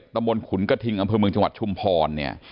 ตำรวจขุนกระทิงอำเภอเมืองจังหวัดชุมพร